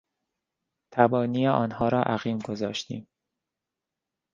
تبانی آنها را عقیم گذاشتیم.